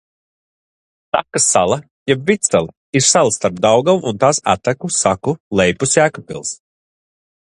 Sakas sala jeb Vidsala ir sala starp Daugavu un tās atteku Saku lejpus Jēkabpils.